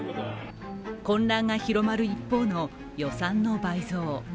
混乱が広まる一方の予算の倍増。